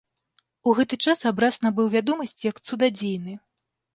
У гэты час абраз набыў вядомасць як цудадзейны.